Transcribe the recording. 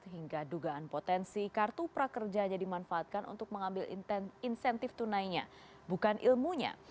hingga dugaan potensi kartu prakerja jadi manfaatkan untuk mengambil insentif tunainya bukan ilmunya